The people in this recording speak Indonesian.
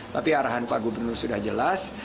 tapi arahan pak gubernur sudah jelas